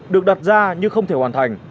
được đặt ra nhưng không thể hoàn thành